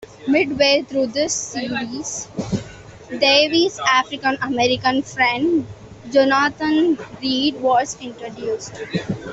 Midway through this series, Davey's African-American friend Jonathan Reed was introduced.